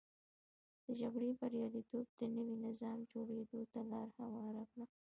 د جګړې بریالیتوب د نوي نظام جوړېدو ته لار هواره کړه.